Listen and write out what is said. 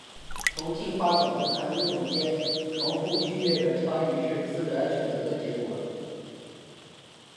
从进化角度看物种间重复序列的差异是自然选择的结果。